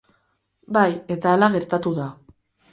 Bai, eta hala gertatu da.